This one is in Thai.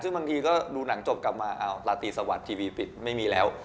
ซึ่งบางทีก็ดูหนังจบกลับมาเอาราตรีสวัสดิ์ทีวีปิดไม่มีแล้ว